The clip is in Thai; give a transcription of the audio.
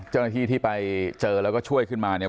เจ้าหน้าที่ที่ไปเจอแล้วก็ช่วยขึ้นมาเนี่ย